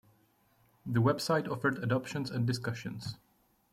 The website offered adoptions and discussions.